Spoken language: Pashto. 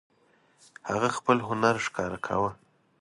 هغه خپل هنر ښکاره کاوه.